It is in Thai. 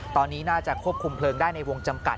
ตอนนี้น่าจะควบคุมเพลิงได้ในวงจำกัด